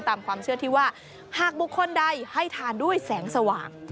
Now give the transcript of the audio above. ตามความเชื่อที่ว่าหากบุคคลใดให้ทานด้วยแสงสว่าง